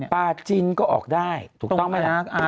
ปลาจินก็ออกได้ถูกต้องไหมล่ะ